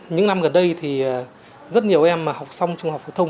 những năm gần đây thì rất nhiều em mà học xong trung học phổ thông